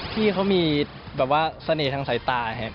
พี่เขามีแบบว่าเสน่ห์ทางสายตาครับ